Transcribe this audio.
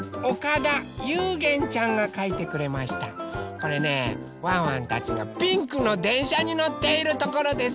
これねワンワンたちがピンクのでんしゃにのっているところです。